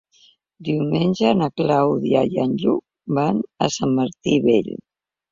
Diumenge na Clàudia i en Lluc van a Sant Martí Vell.